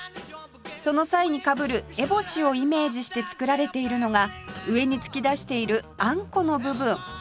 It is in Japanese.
その際にかぶる烏帽子をイメージして作られているのが上に突き出しているあんこの部分